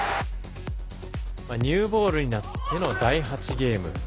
ニューボールになっての第８ゲーム。